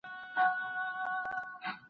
موږ ته ښايي چي د نورو خلګو حقونه وپېژنو.